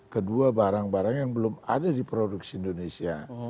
kedua barang barang yang belum ada di produksi indonesia